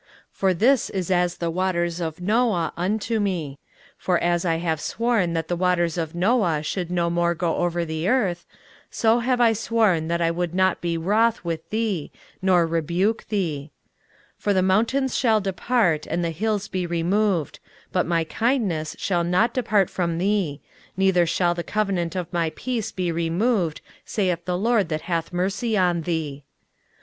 23:054:009 For this is as the waters of Noah unto me: for as I have sworn that the waters of Noah should no more go over the earth; so have I sworn that I would not be wroth with thee, nor rebuke thee. 23:054:010 For the mountains shall depart, and the hills be removed; but my kindness shall not depart from thee, neither shall the covenant of my peace be removed, saith the LORD that hath mercy on thee.